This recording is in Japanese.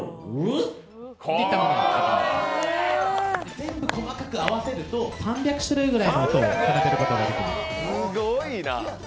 全部細かく合わせると、３００種類ぐらいの音を奏でることができます。